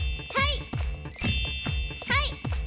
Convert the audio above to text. はい！